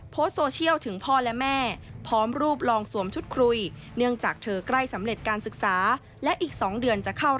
โพสต์โซเชียลถึงพ่อและแม่